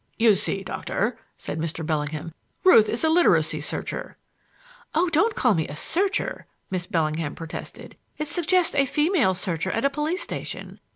"You see, Doctor," said Mr. Bellingham, "Ruth is a literary searcher " "Oh, don't call me a searcher!" Miss Bellingham protested. "It suggests the female searcher at a police station.